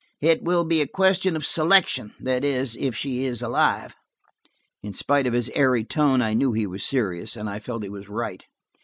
It will be a question of selection–that is, if she is alive." In spite of his airy tone, I knew he was serious, and I felt he was right.